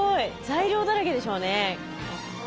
材料だらけでしょうね。